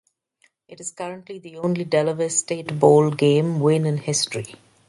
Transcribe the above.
It is currently the only Delaware State bowl game win in history.